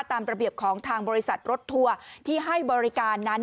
ตามระเบียบของทางบริษัทรถทัวร์ที่ให้บริการนั้น